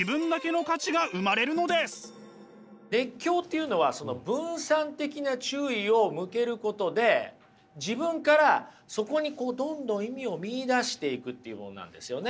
熱狂というのはその分散的な注意を向けることで自分からそこにこうどんどん意味を見いだしていくというものなんですよね。